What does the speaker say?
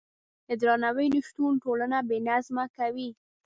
د درناوي نشتون ټولنه بې نظمه کوي.